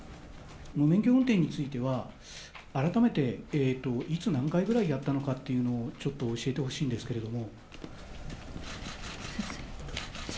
無免許運転については、改めて、いつ、何回ぐらいやったのかというのを、ちょっと教えてほしいんですけれども。